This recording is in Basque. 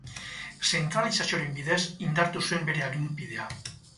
Zentralizazioaren bidez indartu zuen bere aginpidea.